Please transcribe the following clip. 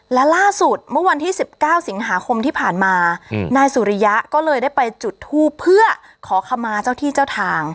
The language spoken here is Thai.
และล่าสุดเมื่อวันที่๑๙สิงหาคมที่ผ่านมานายสุริยะก็เลยได้ไปจุดทูปเพื่อขอขมาเจ้าที่เจ้าทาง